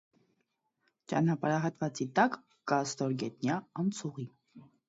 Ճանապարհահատվածի տակ կա ստորգետնյա անցուղի։